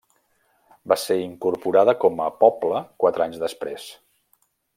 Va ser incorporada com a poble quatre anys després.